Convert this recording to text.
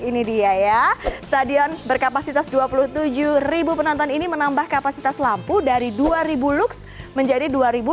ini dia ya stadion berkapasitas dua puluh tujuh ribu penonton ini menambah kapasitas lampu dari dua ribu lux menjadi dua ratus